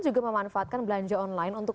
juga memanfaatkan belanja online untuk